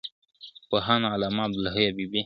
پوهاند علامه عبدالحی حبیبي